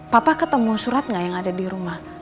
papa ketemu surat nggak yang ada di rumah